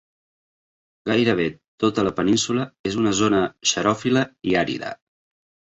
Gairebé tota la península és una zona xeròfila i àrida.